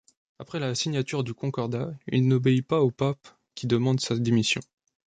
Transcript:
Après la signature du concordat, il n'obéit pas au pape qui demande sa démission.